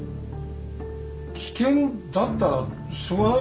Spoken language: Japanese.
危険だったらしょうがないか。